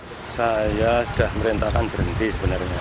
uang taat sudah merintahkan berhenti sebenarnya